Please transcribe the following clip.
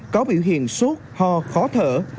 có biểu hiện suốt ho khó thở